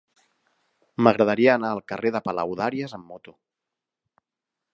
M'agradaria anar al carrer de Palaudàries amb moto.